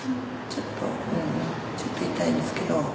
ちょっとちょっと痛いんですけど。